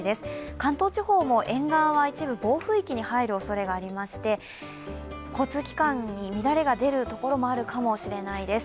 関東地方も沿岸は一部、暴風域に入るおそれがありまして、交通機関に乱れが出るところもあるかもしれないです。